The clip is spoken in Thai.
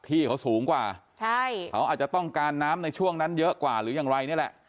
ที่เขาสูงกว่าใช่เขาอาจจะต้องการน้ำในช่วงนั้นเยอะกว่าหรือยังไรนี่แหละ